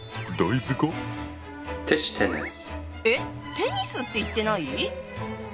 テニスって言ってない？